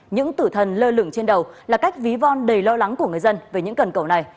những tử thần lơ lửng trên đầu là cách ví von đầy lo lắng của người dân về những cần cầu này